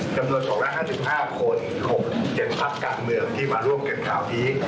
จำนวน๒๕๕๖๗ภาคกลางเมืองที่มาร่วมกันกล่าวตี้